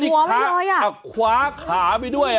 ที่ค้าขาไปด้วย